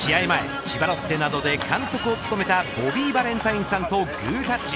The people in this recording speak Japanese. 前、千葉ロッテなどで監督を務めたボビー・バレンタインさんとグータッチ。